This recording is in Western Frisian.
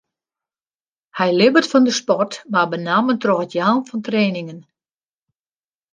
Hy libbet fan de sport, mar benammen troch it jaan fan trainingen.